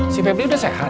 si febri udah sehat